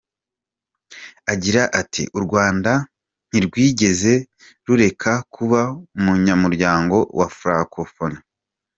Agira ati “U Rwanda ntirwigeze rureka kuba umunyamuryango wa ‘Francophonie’.